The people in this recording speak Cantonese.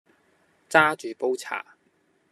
揸住煲茶